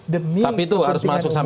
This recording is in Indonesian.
demi kepentingan hukum